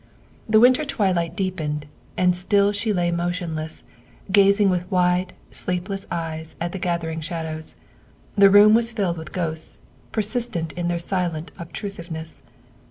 The winter twilight deepened, and still she lay motionless, gazing with wide, sleepless eyes at the gath ering shadows. The room was filled with ghosts, per sistent in their silent obtrusiveness.